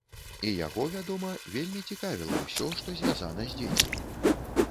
І яго, вядома, вельмі цікавіла ўсё, што звязана з дзецьмі.